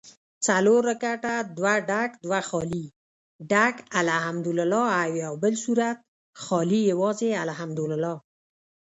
څلور رکعته دوه ډک دوه خالي ډک الحمدوالله او یوبل سورت خالي یوازي الحمدوالله